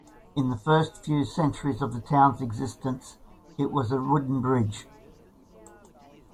In the first few centuries of the town's existence, it was a wooden bridge.